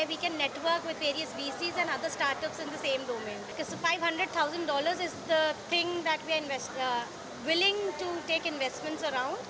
di mana kita bisa berkomunikasi dengan vcs dan startup lainnya di dalam domen yang sama